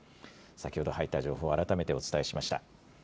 先ほど入った情報、改めてお伝えしました。